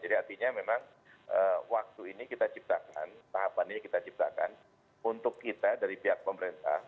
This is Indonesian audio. jadi artinya memang waktu ini kita ciptakan tahapan ini kita ciptakan untuk kita dari pihak pemerintah